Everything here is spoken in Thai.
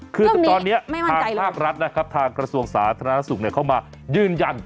เรื่องนี้ไม่มั่นใจแล้วคือตอนนี้ภาครัฐนะครับทางกระทรวงสาธารณสุขเข้ามายืนยัน